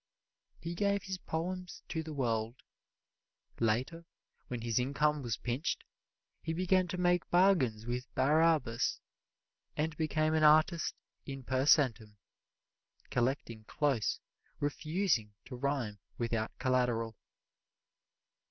He gave his poems to the world. Later, when his income was pinched, he began to make bargains with Barabbas and became an artist in per centum, collecting close, refusing to rhyme without collateral.